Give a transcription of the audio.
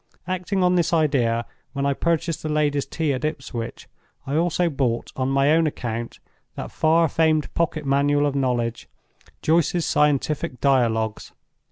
Acting on this idea when I purchased the lady's tea at Ipswich, I also bought on my own account that far famed pocket manual of knowledge, 'Joyce's Scientific Dialogues.